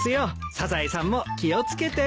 サザエさんも気を付けて。